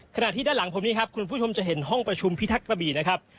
ขณะที่ด้านหลังผมนี่ครับคุณผู้ชมจะเห็นห้องประชุมพิทักษ์กระบี่นะครับ